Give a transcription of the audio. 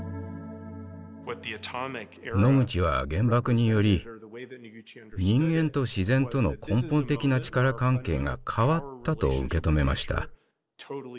ノグチは原爆により人間と自然との根本的な力関係が変わったと受け止めました。